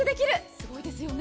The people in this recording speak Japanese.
すごいですよね。